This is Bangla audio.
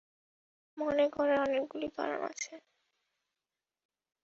মনে করার অনেকগুলি কারণ আছে।